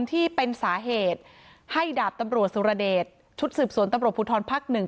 ที่เป็นสาเหตุให้ดาบตำรวจสุรเดชชุดสืบสวนตำรวจภูทรภักดิ์๑